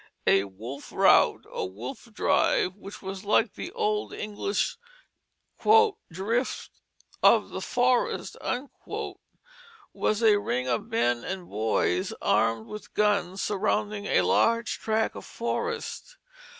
A wolf rout or wolf drive, which was like the old English "drift of the forest," was a ring of men and boys armed with guns surrounding a large tract of forest.